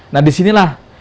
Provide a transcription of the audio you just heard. nah di sinilah